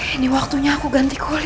ini waktunya aku ganti kuli